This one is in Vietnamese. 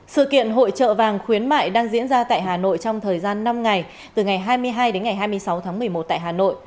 sự kiện hội trợ vàng khuyến mại đang diễn ra tại hà nội trong thời gian năm ngày từ ngày hai mươi hai đến ngày hai mươi sáu tháng một mươi một tại hà nội